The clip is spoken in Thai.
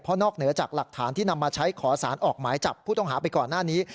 นอกเหนือจากหลักฐานที่นำมาใช้ขอสารออกหมายจับผู้ต้องหาไปก่อนหน้านี้